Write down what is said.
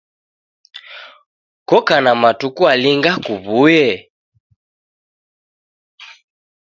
Koka na matuku alinga kuw'uye?